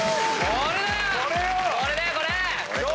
これだよこれ！